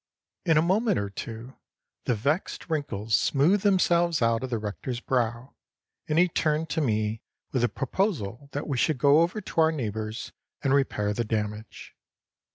In a moment or two the vexed wrinkles smoothed themselves out of the rector's brow, and he turned to me with the proposal that we should go over to our neighbor's and repair the damage.